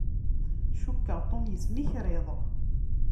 Cukkeɣ Tom yesmikriḍ.